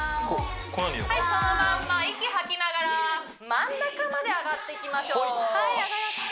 はいそのまんま息吐きながら真ん中まで上がっていきましょうはい上がった